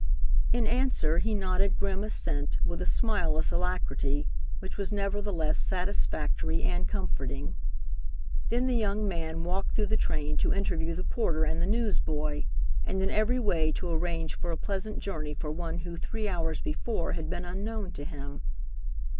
In answer, he nodded grim assent with a smileless alacrity which was nevertheless satisfactory and comforting. Then the young man walked through the train to interview the porter and the newsboy, and in every way to arrange for a pleasant journey for one who three hours before had been unknown to him.